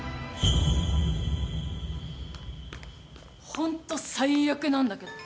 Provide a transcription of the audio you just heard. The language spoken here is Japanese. ホント最悪なんだけど。